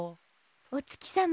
お月さま